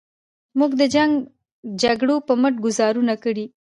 موږ د جنګ و جګړو په مټ ګوزارونه کړي.